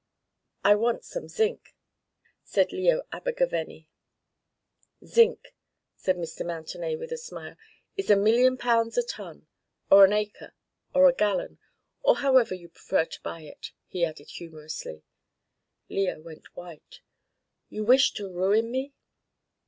"I want some zinc," said Leo Abergavenny. "Zinc," said Mr. Mountenay with a smile, "is a million pounds a ton. Or an acre, or a gallon, or however you prefer to buy it," he added humorously. Leo went white. "You wish to ruin me?"